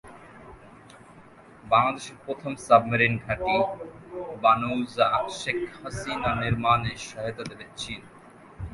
বাংলাদেশের প্রথম সাবমেরিন ঘাঁটি বানৌজা শেখ হাসিনা নির্মাণে সহায়তা দেবে চীন।